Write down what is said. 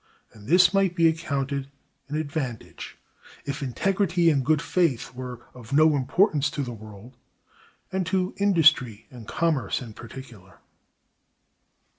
And this might be accounted an advantage, if integrity and good faith were of no importance to the world, and to industry and commerce in particular.